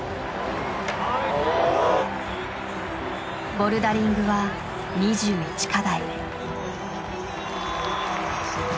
ボルダリングは２１課題。